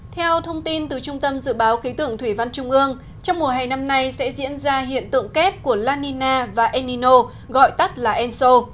theo thông tin từ trung tâm dự báo ký tượng thủy văn trung ương trong mùa hè năm nay sẽ diễn ra hiện tượng kép của la nina và enino gọi tắt là enso